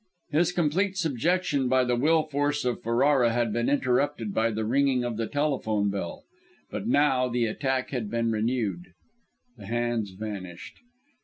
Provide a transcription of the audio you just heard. His complete subjection by the will force of Ferrara had been interrupted by the ringing of the telephone bell But now, the attack had been renewed! The hands vanished.